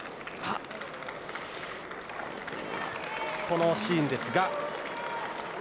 このシーンですが。